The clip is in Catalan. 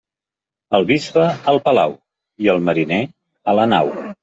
El bisbe al palau, i el mariner a la nau.